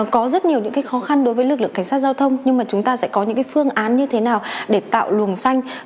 có rất nhiều những khó khăn đối với lực lượng cảnh sát giao thông nhưng mà chúng ta sẽ có những phương án như thế nào để tạo luồng xanh